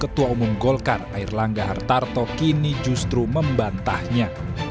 ketua umum golkar air langga hartarto kini justru membantahnya